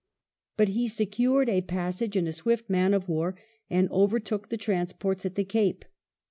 But he secured a passage in a swift man of war, and overtook the trans ports at the Cape.